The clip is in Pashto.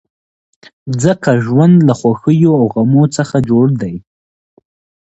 ځکه ژوند له خوښیو او غمو څخه جوړ دی.